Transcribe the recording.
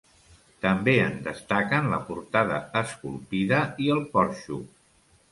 També en destaquen la portada esculpida i el porxo.